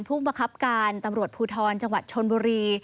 ผู้บังคับการตำรวจภูทรจังหวัดชนบุรี